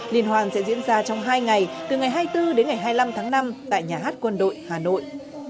liên hoan sẽ diễn ra trong hai ngày từ ngày hai mươi bốn đến ngày hai mươi năm tháng năm tại nhà hát quân đội hà nội